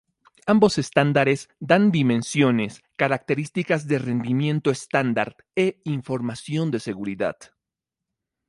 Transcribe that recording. Ambos estándares dan dimensiones, características de rendimiento estándar, e información de seguridad.